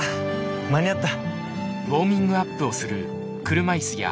間に合った！